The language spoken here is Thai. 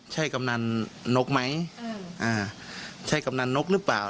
ใช่กำนันนกไหมใช่กำนันนกหรือเปล่า